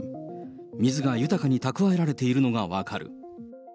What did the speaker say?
水が豊かに蓄えられているのが分かる。